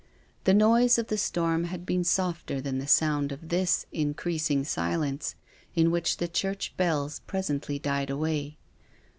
The noise of the storm had been softer than the sound of this increasing silence in which the church bells presently died away.